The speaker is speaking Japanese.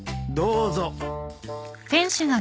どうぞ。